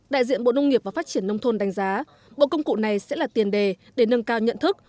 đại diện bộ nông nghiệp và phát triển nông thôn đánh giá bộ công cụ này sẽ là tiền đề để nâng cao nhận thức